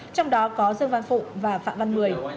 trong đó có dương văn phụng và phạm văn mười